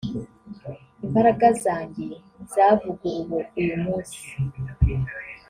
Imbaraga zanjye zavuguruwe uyu munsi